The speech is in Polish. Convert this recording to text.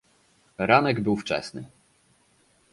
"Ranek był wczesny."